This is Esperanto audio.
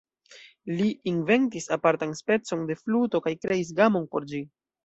Li inventis apartan specon de fluto kaj kreis gamon por ĝi.